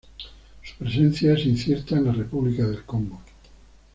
Su presencia es incierta en la República del Congo.